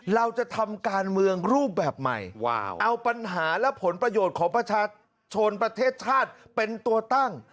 เราจะทำการเมืองรูปแบบใหม่เอาปัญหาและผลประโยชน์ของประชาชนประเทศชาติเป็นตัวตั้ง